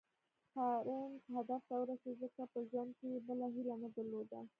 بارنس هدف ته ورسېد ځکه په ژوند کې يې بله هيله نه درلوده.